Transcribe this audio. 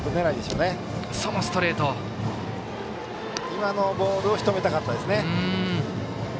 今のボールをしとめたかったですね。